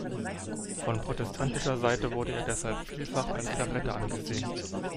Von protestantischer Seite wurde er deshalb vielfach als Verräter angesehen.